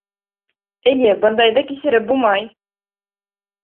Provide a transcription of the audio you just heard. Эйе, бындайҙы кисереп булмай.